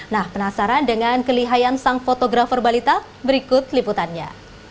nah penasaran dengan kelihayan sang fotografer balita berikut liputannya